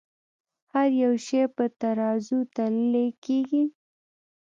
هر يو شے پۀ ترازو تللے کيږې